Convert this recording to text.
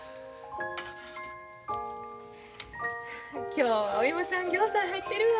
今日はお芋さんぎょうさん入ってるわ。